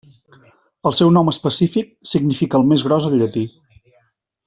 El seu nom específic significa 'el més gros' en llatí.